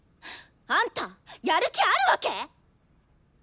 あんたやる気あるわけ！？